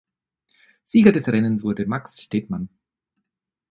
Sieger des Rennens wurde Max Stedman.